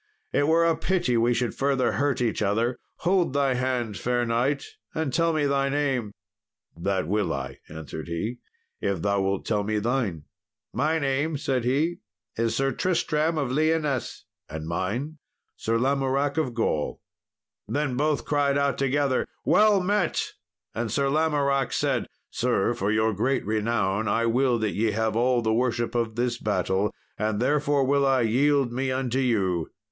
It were a pity we should further hurt each other. Hold thy hand, fair knight, and tell me thy name." "That will I," answered he, "if thou wilt tell me thine." "My name," said he, "is Sir Tristram of Lyonesse." "And mine, Sir Lamoracke of Gaul." Then both cried out together, "Well met;" and Sir Lamoracke said, "Sir, for your great renown, I will that ye have all the worship of this battle, and therefore will I yield me unto you."